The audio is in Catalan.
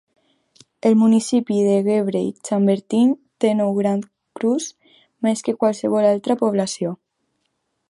El municipi de Gevrey-Chambertin té nou Grand Crus, més que qualsevol altra població.